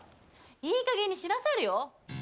いいかげんにしなされよ。